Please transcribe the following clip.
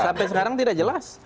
sampai sekarang tidak jelas